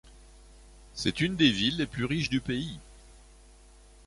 C'est une des villes les plus riches du pays.